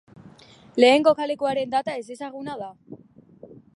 Lehen kokalekuaren data ezezaguna da.